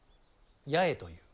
八重という。